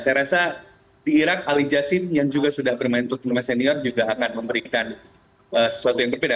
saya rasa di irak ali jasin yang juga sudah bermain untuk timnas senior juga akan memberikan sesuatu yang berbeda